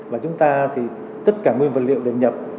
và chúng ta thì tất cả nguyên vật liệu đều nhập